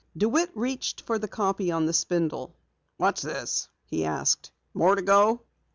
DeWitt reached for the copy on the spindle. "What's this?" he asked. "More to go?"